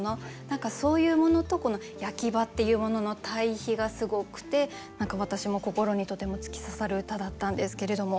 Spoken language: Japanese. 何かそういうものとこの「焼場」っていうものの対比がすごくて何か私も心にとても突き刺さる歌だったんですけれども。